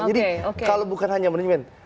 jadi kalau bukan hanya manajemen